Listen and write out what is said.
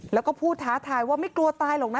แล้วก็พูดท้าทายว่าไม่กลัวตายหรอกนะ